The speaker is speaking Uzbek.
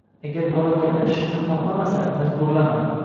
Agar bola gaplashishni xohlamasa, majburlama.